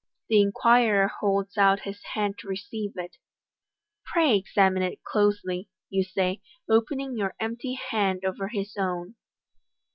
The in quirer holds out his hand to receive it. u Pray examine it closely," you say, opening your empty hand over his own.